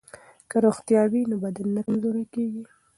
که روغتیا وي نو بدن نه کمزوری کیږي.